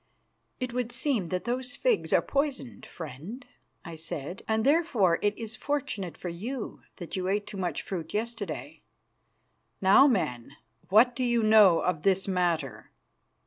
"It would seem that those figs are poisoned, friend," I said, "and therefore it is fortunate for you that you ate too much fruit yesterday. Now, man, what do you know of this matter?"